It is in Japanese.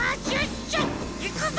いくぞ！